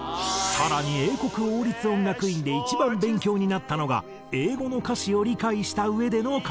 更に英国王立音楽院で一番勉強になったのが英語の歌詞を理解したうえでの歌唱。